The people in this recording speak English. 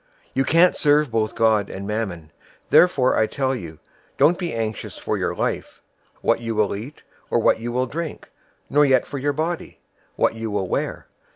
You can't serve both God and Mammon. 006:025 Therefore, I tell you, don't be anxious for your life: what you will eat, or what you will drink; nor yet for your body, what you will wear.